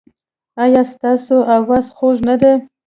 ایا ستاسو اواز خوږ نه دی؟